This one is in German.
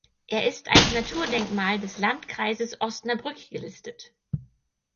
Er ist als Naturdenkmal des Landkreises Osnabrück gelistet.